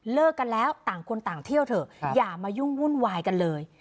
เลิกกันแล้วต่างคนต่างเที่ยวเถอะอย่ามายุ่งวุ่นวายกันเลย